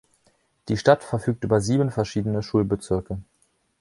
Die Stadt verfügt über sieben verschiedene Schulbezirke.